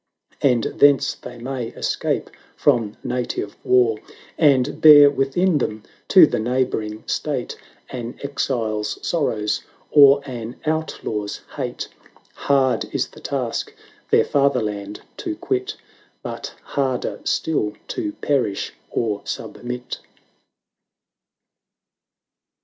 And thence they may escape from native war : 960 And bear within them to the neighbour ing state An exile's sorrows, or an outlaw's hate: Hard is the task their father land to quit. But harder still to perish or submit.